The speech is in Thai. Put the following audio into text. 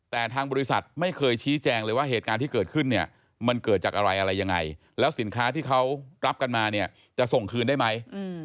แต่ทางบริษัทไม่เคยชี้แจงเลยว่าเหตุการณ์ที่เกิดขึ้นเนี่ยมันเกิดจากอะไรอะไรยังไงแล้วสินค้าที่เขารับกันมาเนี่ยจะส่งคืนได้ไหม